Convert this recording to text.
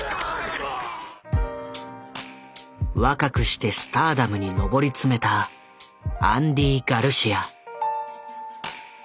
若くしてスターダムに上り詰めたアンディ・ガルシア。